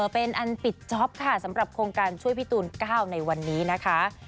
เป็นอันปิดจ๊อปค่ะสำหรับโครงการช่วยพี่ตูน๙ในวันนี้นะคะ